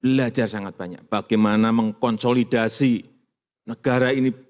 belajar sangat banyak bagaimana mengkonsolidasi negara ini